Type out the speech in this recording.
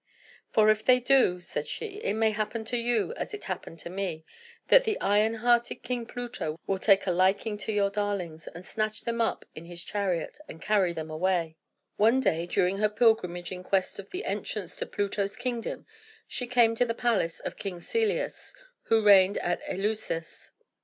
"For if they do," said she, "it may happen to you, as it has to me, that the iron hearted King Pluto will take a liking to your darlings, and snatch them up in his chariot, and carry them away." One day, during her pilgrimage in quest of the entrance to Pluto's kingdom, she came to the palace of King Celeus, who reigned at Eleusis.